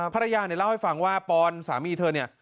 ภรรยาเนี่ยเล่าให้ฟังว่าปอนสามีเธอเนี่ย